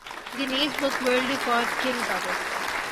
Guinness book world record کے مطابق